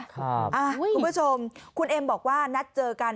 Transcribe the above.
คุณผู้ชมคุณเอ็มบอกว่านัดเจอกัน